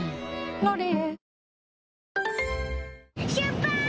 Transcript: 「ロリエ」